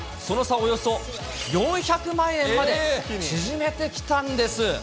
およそ４００万円まで縮めてきたんです。